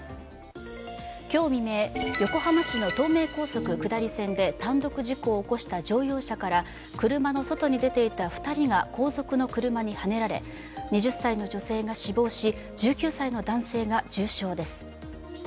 今日未明、横浜市の東名高速下り線で単独事故を起こした乗用車から車の外に出ていた２人が後続の車にはねられ、２０歳の女性が死亡し、１９歳の男性が重傷です。